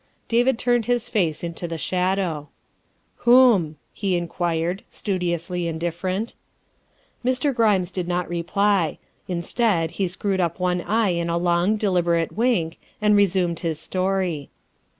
David turned his face into the shadow. 342 THE WIFE OF " Whom?" he inquired, studiously indifferent. Mr. Grimes did not reply. Instead, he screwed up one eye in a long, deliberate wink, and resumed his story.